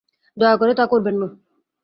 দয়া করে তা করবেন না।